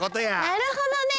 なるほどね！